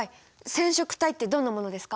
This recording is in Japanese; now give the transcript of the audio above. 染色体ってどんなものですか？